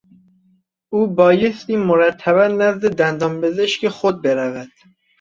او بایستی مرتبا نزد دندانپزشک خود برود.